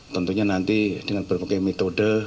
tentunya nanti dengan berbagai metode